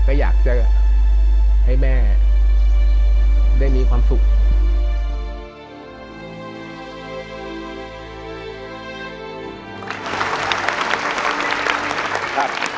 ก็อยากจะให้แม่ได้มีความสุข